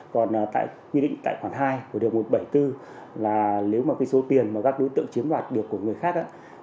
còn tại quy định tại khoản hai của điều một trăm bảy mươi bốn là nếu mà cái số tiền mà các đối tượng chiếm đoạt được của người khác